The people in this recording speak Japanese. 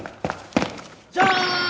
じゃーん！